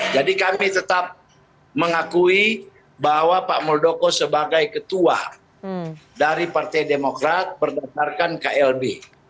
jadi kami tetap mengakui bahwa pak muldoko sebagai ketua dari partai demokrat berdasarkan klb